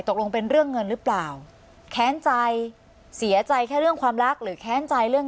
ตกลงเป็นเรื่องเงินหรือเปล่าแค้นใจ